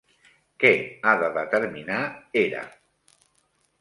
Què ha de determinar Hera?